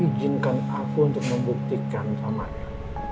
ijinkan aku untuk membuktikan sama dia